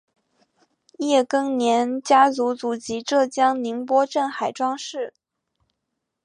叶庚年家族祖籍浙江宁波镇海庄市。